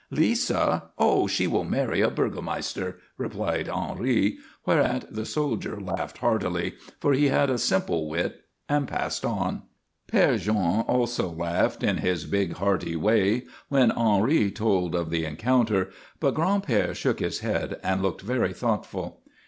"Lisa? Oh, she will marry a burgomaster," replied Henri; whereat the soldier laughed heartily, for he had a simple wit, and passed on. Père Jean also laughed, in his big, hearty way, when Henri told of the encounter, but Gran'père shook his head and looked very thoughtful.